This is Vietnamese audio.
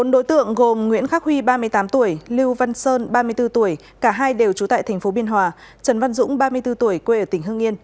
bốn đối tượng gồm nguyễn khắc huy ba mươi tám tuổi lưu văn sơn ba mươi bốn tuổi cả hai đều trú tại tp biên hòa trần văn dũng ba mươi bốn tuổi quê ở tỉnh hương yên